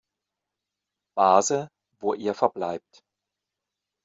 Base, wo er verbleibt.